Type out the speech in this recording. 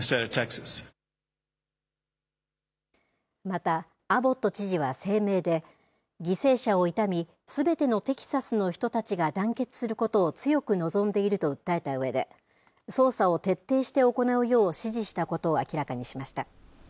また、アボット知事は声明で、犠牲者を悼み、すべてのテキサスの人たちが団結することを強く望んでいると訴えたうえで、捜査を徹底して行うよう指示したことを明らかにしました。